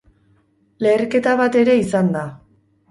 Leherketa bat ere izan da.